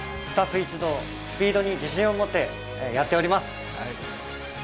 スタッフ一同スピードに自信を持ってやっております。